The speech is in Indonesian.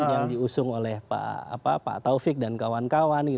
yang diusung oleh pak taufik dan kawan kawan